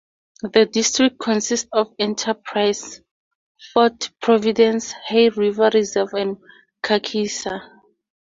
The district consists of Enterprise, Fort Providence, Hay River Reserve and Kakisa.